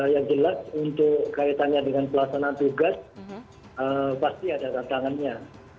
yang jelas untuk kaitannya dengan pelaksanaan tugas pasti ada tantangannya